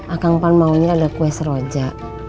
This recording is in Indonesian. akang panmaunir ada kue sroja